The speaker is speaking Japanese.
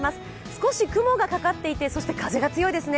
少し雲がかかっていて、風が強いですね。